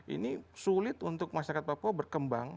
ini sulit untuk masyarakat papua berkembang